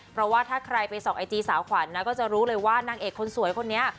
เพราะว่าถ้าใครไปส่องไอจีสาวขวัญนะก็จะรู้เลยว่านางเอกคนสวยคนนี้